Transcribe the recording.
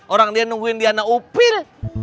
orang dia nungguin diana opir